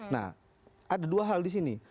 nah ada dua hal di sini